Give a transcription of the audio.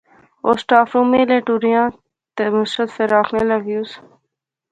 او سٹاف رومے لے ٹریاں تے نصرت فیر آخنے لاغیوس